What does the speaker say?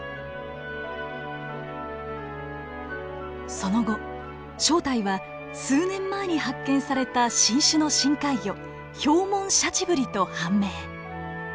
その後正体は数年前に発見された新種の深海魚ヒョウモンシャチブリと判明。